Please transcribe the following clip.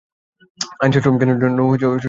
আইনশাস্ত্র কেন্দ্রের জন্যও তিনি দায়বদ্ধ ছিলেন।